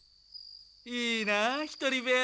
いいな１人部屋。